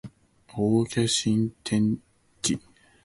大家心照啦